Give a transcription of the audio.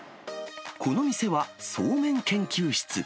この店はそうめん研究室。